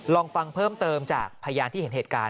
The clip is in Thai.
ลองฟังเพิ่มเติมจากพยานที่เห็นเหตุการณ์